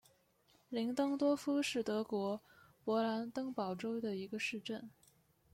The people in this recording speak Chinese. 林登多夫是德国勃兰登堡州的一个市镇。